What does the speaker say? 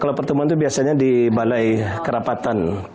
kalau pertemuan itu biasanya di balai kerapatan